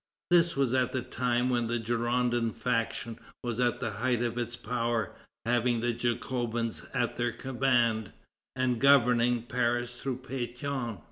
This was at the time when the Girondin faction was at the height of its power, having the Jacobins at their command, and governing Paris through Pétion.